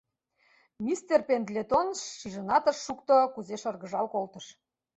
Мистер Пендлетон шижынат ыш шукто, кузе шыргыжал колтыш.